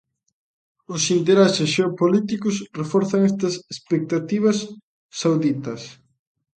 Os intereses xeopolíticos reforzan estas expectativas sauditas.